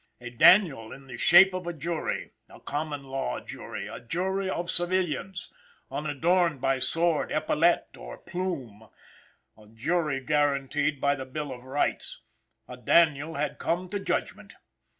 A Daniel in the shape of a jury a common law jury a jury of civilians unadorned by sword, epaulette or plume a jury guaranteed by the Bill of Rights a Daniel had come to judgment!